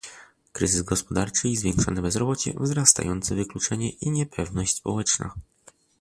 kryzys gospodarczy i zwiększone bezrobocie, wzrastające wykluczenie i niepewność społeczna